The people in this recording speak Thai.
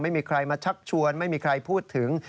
ไม่มีใครมาชักชวนไม่มีใครพูดถึง